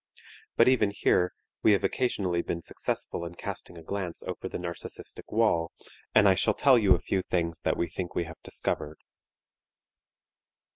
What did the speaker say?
But even here we have occasionally been successful in casting a glance over the narcistic wall and I shall tell you a few things that we think we have discovered.